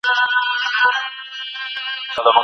آیا ته په خپلو ورځنیو چارو کې مشوره کوې؟